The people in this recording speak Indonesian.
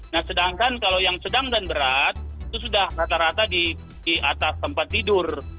nah sedangkan kalau yang sedang dan berat itu sudah rata rata di atas tempat tidur